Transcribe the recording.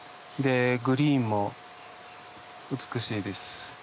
グリーンも美しいです。